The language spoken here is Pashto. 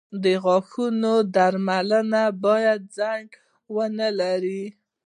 • د غاښونو درملنه باید ځنډ ونه لري.